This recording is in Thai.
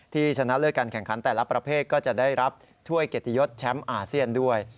ชนะเลิศการแข่งขันแต่ละประเภทก็จะได้รับถ้วยเกียรติยศแชมป์อาเซียนด้วย